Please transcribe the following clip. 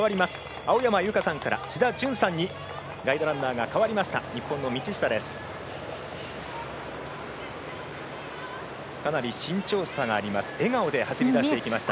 青山由佳さんから志田淳さんにガイドランナーが代わりました。